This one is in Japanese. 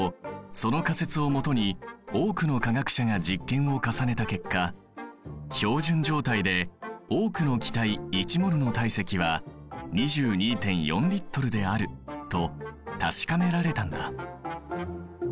その仮説を基に多くの科学者が実験を重ねた結果標準状態で多くの気体１ｍｏｌの体積は２２．４Ｌであると確かめられたんだ。